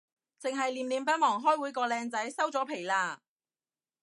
剩係念念不忘開會個靚仔，收咗皮喇